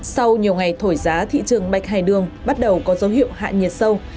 sau nhiều ngày thổi giá thị trường bạch hải đường bắt đầu có dấu hiệu hạ nhiệt sâu